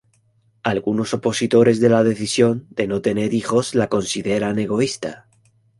Algunos opositores de la decisión de no tener hijos la consideran egoísta.